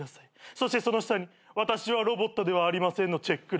そしてその下に「私はロボットではありません」のチェック欄。